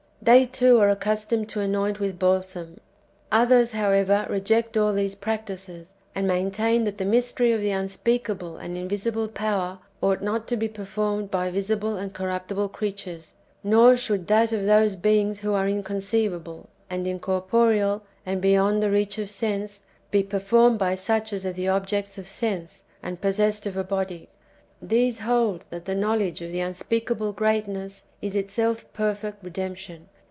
They, too, are accustomed to anoint with balsam. Others, however, reject all these practices, and maintain that the mystery of the unspeakable and invisible power ought not to be performed by visible and corruptible creatures, nor should that of those [beings] who are inconceivable, and in corporeal, and beyond the reach of sense, [be performed] by such as are the objects of sense, and possessed of a body. These hold that the knowledge of the unspeakable Greatness is itself perfect redemption.